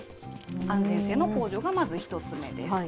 安全性の向上がまず１つ目です。